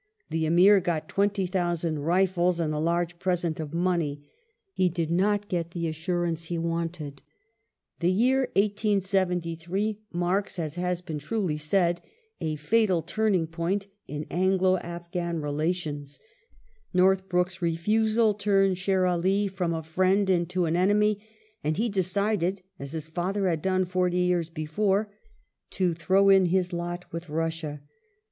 The Amir got 20,000 rifles and a large pi*esent of money : he did not get the assurance he wanted. The year 1873 marks, as has been truly said, " a fatal turning point in Anglo Afghan relations '*.^ Northbrook's i efusal " turned Sher Ali from a friend into an enemy, and he decided, as his father had done forty years before, to throw in his lot with Russia